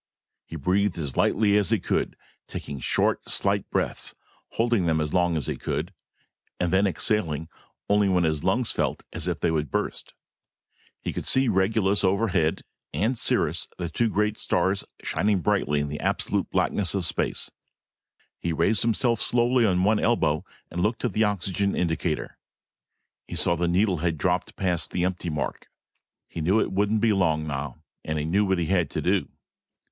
He breathed as lightly as he could, taking short, slight breaths, holding them as long as he could and then exhaling only when his lungs felt as if they would burst. He could see Regulus overhead, and Sirius, the two great stars shining brilliantly in the absolute blackness of space. He raised himself slowly on one elbow and looked at the oxygen indicator. He saw that the needle had dropped past the empty mark. He knew it wouldn't be long now. And he knew what he had to do.